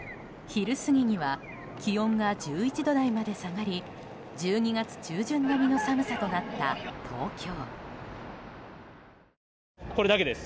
昼過ぎには気温が１１度台まで下がり１２月中旬並みの寒さとなった東京。